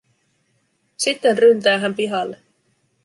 Sitten ryntää hän pihalle.